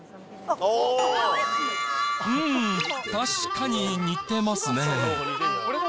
うーん、確かに似てますねぇ。